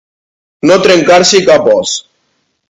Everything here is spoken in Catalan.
No trencar-s'hi cap os.